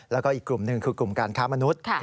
แล้วก็อีกกลุ่มหนึ่งคือกลุ่มการค้ามนุษย์